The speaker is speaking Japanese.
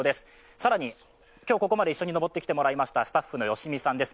更に今日ここまで一緒に登ってきてくださったスタッフのよしみさんです